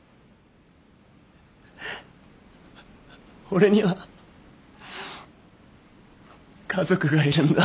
俺には家族がいるんだ。